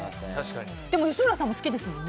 でも、吉村さんも好きですよね。